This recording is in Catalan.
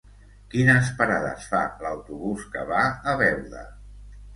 Quines parades fa l'autobús que va a Beuda?